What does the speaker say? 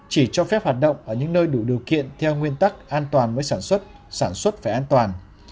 chỉ cho phép hoạt động ở những nơi đủ điều kiện theo nguyên tắc an toàn mới sản xuất sản xuất phải an toàn